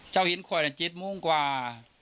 เจ้าเห็นค่อยเจ็ดโมงกว่า